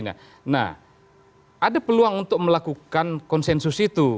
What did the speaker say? nah ada peluang untuk melakukan konsensus itu